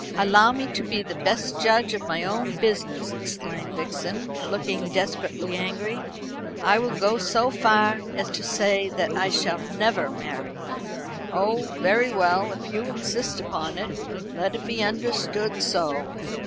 "Allow me to be the best judge of my own business," exclaimed Vixen, looking desperately angry. "I will go so far as to say that I never shall marry." "Oh, very well, if you insist upon it, let it be understood so.